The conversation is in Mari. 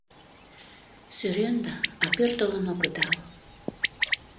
— Сӧренда, а пӧртылын огыдал.